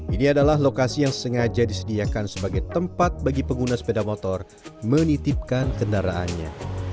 ini adalah lokasi yang sengaja disediakan sebagai tempat bagi pengguna sepeda motor menitipkan kendaraannya